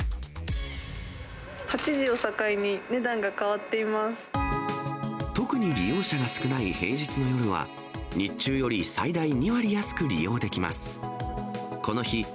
８時を境に値段が変わってい特に利用者が少ない平日の夜は、日中より最大２割安く利用できます。